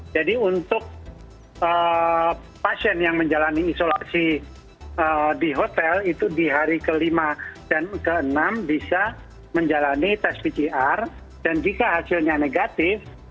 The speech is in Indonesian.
jadi untuk pasien yang menjalani isolasi di hotel itu di hari kelima dan keenam bisa menjalani test pcr dan jika hasilnya negatif